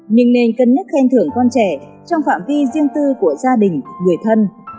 nhưng nên cân nhắc khen thưởng con trẻ trong phạm vi riêng tư của gia đình người thân